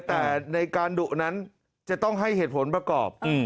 แต่ในการดุนั้นจะต้องให้เหตุผลประกอบ